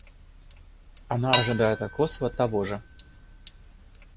Она ожидает от Косово того же.